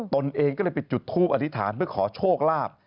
ตนเองก็เลยไปจุดทูปอธิษฐานเพื่อขอโชคลาภ